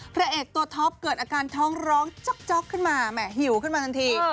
พระเอกตัวท็อปเกิดอาการท้องร้องจ๊อกขึ้นมาแหม่หิวขึ้นมาทันที